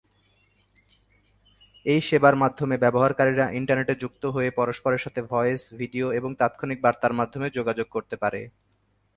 এই সেবার মাধ্যমে ব্যবহারকারীরা ইন্টারনেটে যুক্ত হয়ে পরস্পরের সাথে ভয়েস, ভিডিও এবং তাৎক্ষণিক বার্তার মাধ্যমে যোগাযোগ করতে পারে।